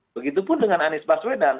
begitupun dengan anies baswedan